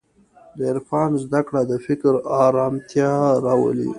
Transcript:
د عرفان زدهکړه د فکر ارامتیا راولي.